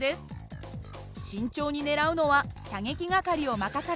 慎重に狙うのは射撃係を任された桐野さん。